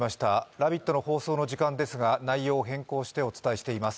「ラヴィット！」の放送の時間ですが内容を変更してお伝えしています。